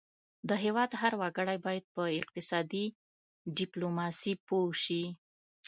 د هیواد هر وګړی باید په اقتصادي ډیپلوماسي پوه شي